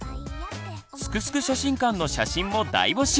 「すくすく写真館」の写真も大募集！